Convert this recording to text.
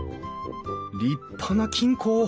立派な金庫。